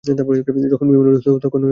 যখন বিমানে উঠবে নিজের খেয়াল রাখবে।